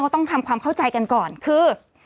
ต้องทำความเข้าใจกันก่อนคือ